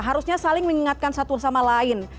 harusnya saling mengingatkan satu sama lain